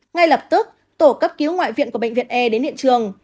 ngay lập tức tổ cấp cứu ngoại viện của bệnh viện e đến hiện trường